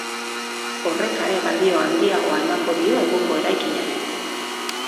Horrek are balio handiagoa emango dio egungo eraikinari.